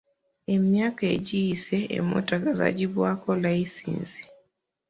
Emyaka egiyise emmotoka zaggyibwangako layisinsi .